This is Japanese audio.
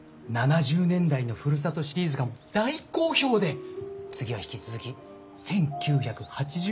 「７０年代のふるさと」シリーズが大好評で次は引き続き１９８０年代をお願いしたいんです。